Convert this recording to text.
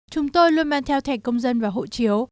chúng tôi luôn mang theo thẻ công dân và hộ chiếu